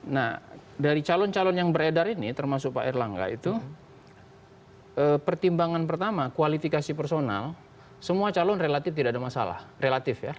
nah dari calon calon yang beredar ini termasuk pak erlangga itu pertimbangan pertama kualifikasi personal semua calon relatif tidak ada masalah relatif ya